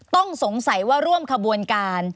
ต้องสงสัยว่าร่วมขบวนการ